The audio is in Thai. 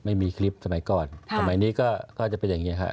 ไม่มีคลิปสมัยก่อนสมัยนี้ก็จะเป็นอย่างนี้ครับ